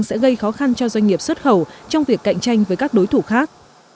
sẽ gây khó khăn cho doanh nghiệp xuất khẩu trong việc cạnh tranh với các đối thủ khác